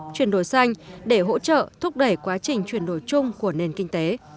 chuyển đổi xanh để hỗ trợ thúc đẩy quá trình chuyển đổi chung của nền kinh tế